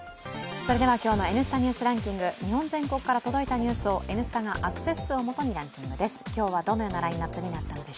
それでは今日の「Ｎスタ・ニュースランキング」日本全国から届いたニュースを「Ｎスタ」がアクセス数をもとにランキングです。